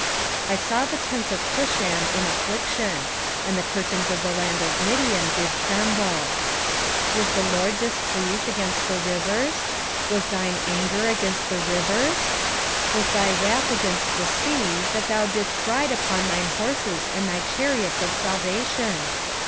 3:7 I saw the tents of Cushan in affliction: and the curtains of the land of Midian did tremble. 3:8 Was the LORD displeased against the rivers? was thine anger against the rivers? was thy wrath against the sea, that thou didst ride upon thine horses and thy chariots of salvation?